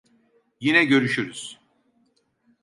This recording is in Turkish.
Yine görüşürüz.